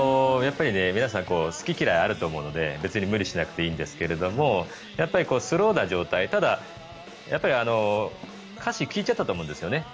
皆さん好き嫌いあると思うので別に無理しなくていいと思うんですがスローな状態ただ、歌詞を聞いちゃったと思うんですよね